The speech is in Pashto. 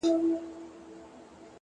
هره تجربه د حکمت ټوټه ده،